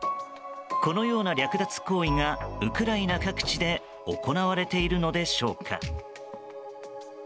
このような略奪行為がウクライナ各地で行われているのでしょうか。